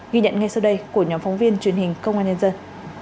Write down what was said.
ghi nhận ngay sau đây của nhóm phóng viên truyền hình công an nhân dân